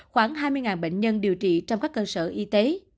khoảng hai mươi bệnh nhân điều trị trong các cơ sở y tế